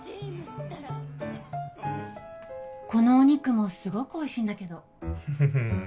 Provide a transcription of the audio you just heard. ったらこのお肉もすごくおいしいんだけどフフフン